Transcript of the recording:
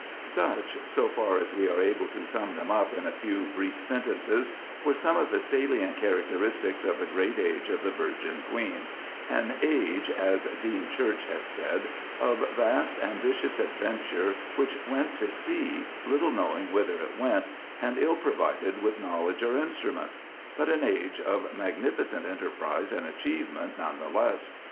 Such, so far as we are able to sum them up in a few brief sentences, were some of the salient characteristics of the great age of the Virgin Queen—an age, as Dean Church has said, "of vast ambitious adventure, which went to sea, little knowing whither it went, and ill provided with knowledge or instrument"; but an age of magnificent enterprise and achievement, none the less.